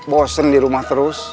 bosen dirumah terus